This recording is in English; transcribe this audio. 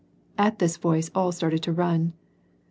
At this voice all started to run.